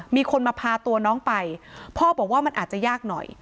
มีคนมาพาตัวน้องไปพ่อบอกว่ามันอาจจะยากหน่อย